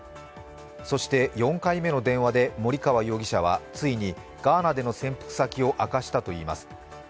そして４回目の電話で森川容疑者はついにガーナでの潜伏先を明かしたといいます。